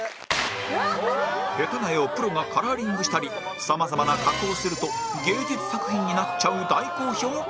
下手な絵をプロがカラーリングしたり様々な加工をすると芸術作品になっちゃう大好評企画